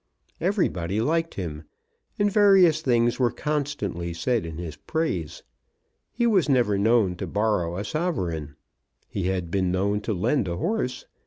Everybody liked him, and various things were constantly said in his praise. He was never known to borrow a sovereign. He had been known to lend a horse.